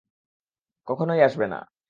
কখনোই আসবে না।